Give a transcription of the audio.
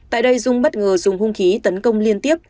tại đây dung bất ngờ dùng hung khí tấn công liên tiếp